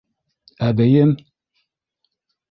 Әбейем?